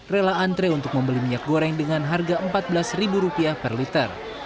rela antre untuk membeli minyak goreng dengan harga rp empat belas per liter